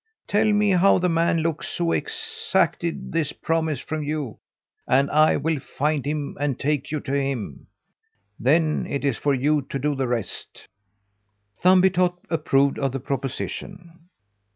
Tell me how the man looks who exacted this promise from you, and I will find him and take you to him. Then it is for you to do the rest." Thumbietot approved of the proposition.